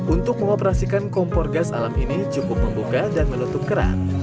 untuk mengoperasikan kompor gas alam ini cukup membuka dan menutup keran